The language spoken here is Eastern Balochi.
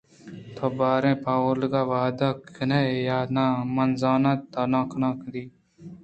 توباریں پہ اولگاءَ ودار کنئے یا ناں؟ من زانت نہ کناں آکدی کیت